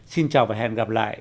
xin chào và hẹn gặp lại